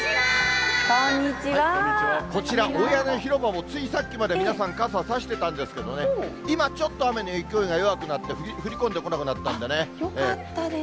こちら、大屋根広場もついさっきまで皆さん、傘差してたんですけどね、今、ちょっと雨の勢いが弱くなって、よかったです。